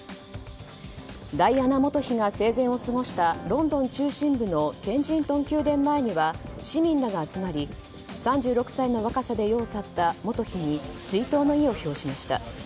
ダイアナ元妃が生前を過ごしたロンドン中心部のケンジントン宮殿前には市民らが集まり３６歳の若さで世を去った元妃に追悼の意を表しました。